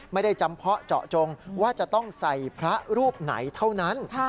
ไม่ได้จำเพาะเจาะจงว่าจะต้องใส่พระรูปไหนเท่านั้น